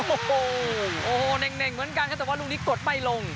โอ้โหโอ้โหเน่งเหมือนกันครับแต่ว่าลูกนี้กดไม่ลง